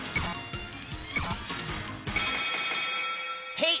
へい！